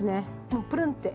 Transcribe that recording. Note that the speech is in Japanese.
もうプルンッて。